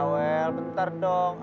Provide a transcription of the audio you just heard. awel bentar dong